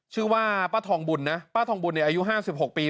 ชื่อว่าป้าทองบุญนะป้าทองบุญเนี่ยอายุ๕๖ปี